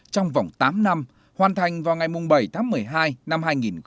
trong vòng tám năm hoàn thành vào ngày bảy tháng một mươi hai năm hai nghìn một mươi chín